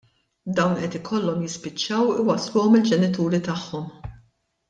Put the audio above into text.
Dawn qed ikollhom jispiċċaw iwassluhom il-ġenituri tagħhom.